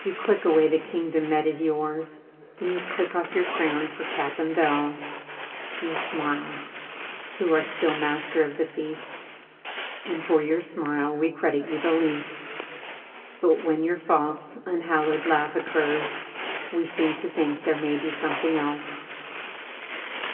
|891 You click away the kingdom that is yours, And you click oflf your crown for cap and bells; You smile, who are still master of the feast, And for your smile we credit you the least; But when your false, unhallowed laugh occurs. We seem to think there may be something else.